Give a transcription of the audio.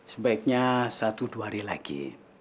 sebaiknya satu dua hari lagi